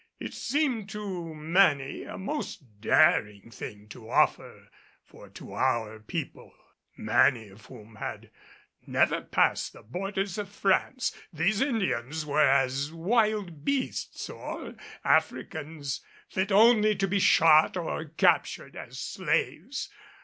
It seemed to many a most daring thing to offer; for to our people, many of whom had never passed the borders of France, these Indians were as wild beasts or Africans, fit only to be shot or captured as slaves.